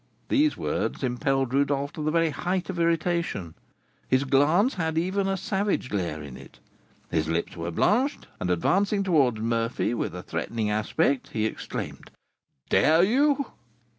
These words impelled Rodolph to the very height of irritation; his glance had even a savage glare in it; his lips were blanched; and, advancing towards Murphy with a threatening aspect, he exclaimed, "Dare you?"